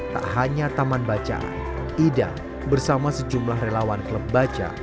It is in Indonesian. tak hanya taman bacaan ida bersama sejumlah relawan klub baca